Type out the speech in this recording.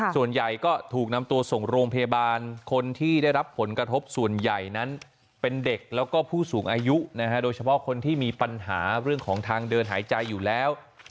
ส่วนใหญ่ก็ถูกนำตัวส่งโรงพยาบาลคนที่ได้รับผลกระทบส่วนใหญ่นั้นเป็นเด็กแล้วก็ผู้สูงอายุนะฮะโดยเฉพาะคนที่มีปัญหาเรื่องของทางเดินหายใจอยู่แล้ว